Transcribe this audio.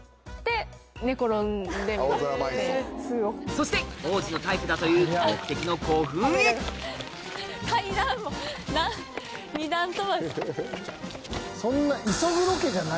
そして王子のタイプだという目的の古墳へそんな。